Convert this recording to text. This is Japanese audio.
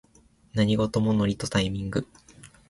何事もノリとタイミング